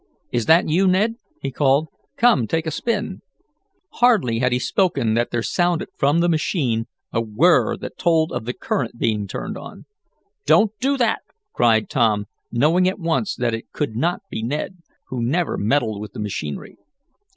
"Is that you, Ned?" he called. "Come, take a spin." Hardly had he spoken than there sounded from the machine a whirr that told of the current being turned on. "Don't do that!" cried Tom, knowing at once that it could not be Ned, who never meddled with the machinery.